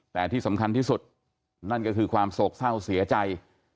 แต่ที่สำคัญที่สุดนั่นก็คือความโศกเศร้าเสียใจ